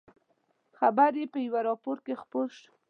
خبر یې په یوه راپور کې خپور شو.